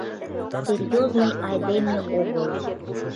Серьёзный айдеме огыл.